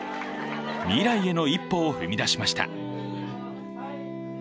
未来への一歩を踏み出しました。